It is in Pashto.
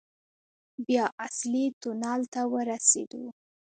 بيا اصلي تونل ته ورسېدو.